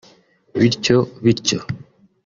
bityo bityo